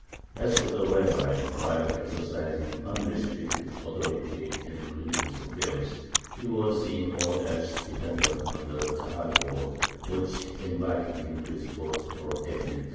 As for the rabbi, while exercising unrestricted authority in religious affairs, he was in all else dependent on the Kahal board, which invited him to his post for a definite term.